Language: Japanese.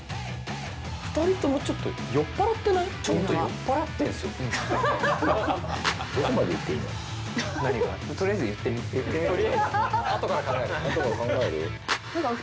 ２人ともちょっと、酔っぱらってない？